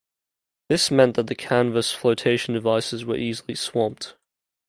This meant that the canvas flotation devices were easily swamped.